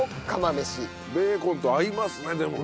ベーコンと合いますねでもね。